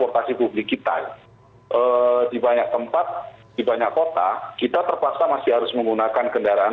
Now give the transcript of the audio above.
tapi sekarang sudah terbatas kebanyakan